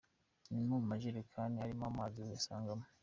No mu majerekani arimo amazi uyasangamo.